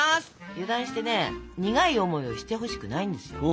油断してね苦い思いをしてほしくないんですよ。